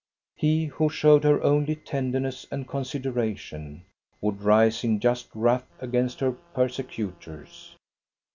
He, who showed her only tenderness and considera* tion, would rise in just wrath against her perse cutors.